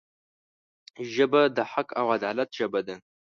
ژبه د حق او عدالت ژبه ده